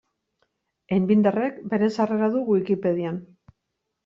Einbinderrek bere sarrera du Wikipedian.